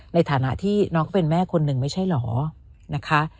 ในฐานะที่น้องก็เป็นแม่คนหนึ่งไม่ใช่เหรอนะคะ